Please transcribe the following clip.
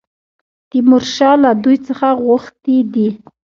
تیمورشاه له دوی څخه غوښتي دي.